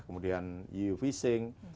kemudian eu fishing